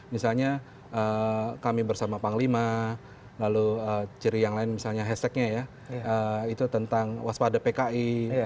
misalnya kami bersama panglima lalu ciri yang lain misalnya hashtagnya ya itu tentang waspada pki